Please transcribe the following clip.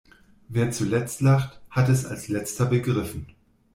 Wer zuletzt lacht, hat es als letzter begriffen.